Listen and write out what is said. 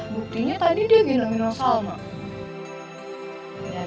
buktinya tadi dia yang ngilangin orang salma